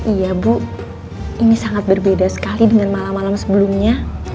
iya bu ini sangat berbeda sekali dengan malam malam sebelumnya